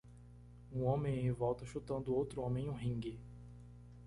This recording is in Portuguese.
Um homem em volta chutando outro homem em um ringue.